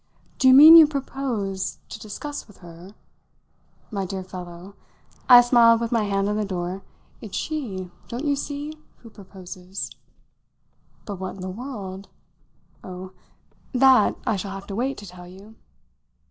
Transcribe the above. "Do you mean you propose to discuss with her ?" "My dear fellow," I smiled with my hand on the door, "it's she don't you see? who proposes." "But what in the world ?" "Oh, that I shall have to wait to tell you."